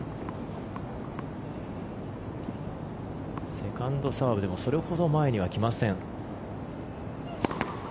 セカンドサーブでもそれほど前には来ません。